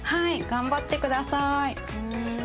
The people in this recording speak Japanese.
頑張って下さい。